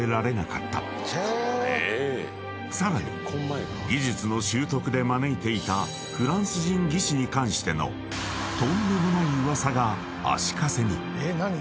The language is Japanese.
［さらに技術の習得で招いていたフランス人技師に関してのとんでもない噂が足かせに］